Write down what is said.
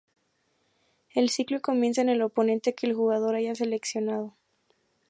El ciclo comienza en el oponente que el jugador haya seleccionado.